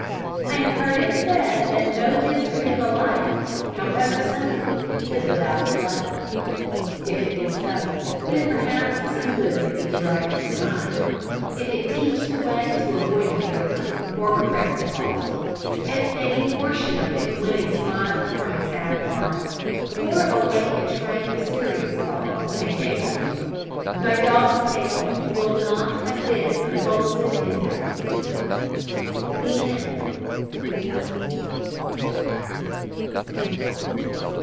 I have heard it said that no history of a life, however simple, is without its lesson. If it be so, then perhaps some good may be derived from mine. If it teach the way to avoid an error, or correct a fault; if any portion of it win a smile from a sad heart, or awake a train of serious thought in a gay one, my dog's tale will not have been unfolded in vain. THE END.